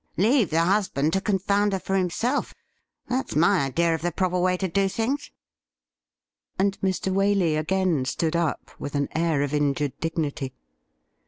Leave the husband to confound her for himself; that's my idea of the proper way to do things.' And Mr. Waley again stood up with an air of injured dignity.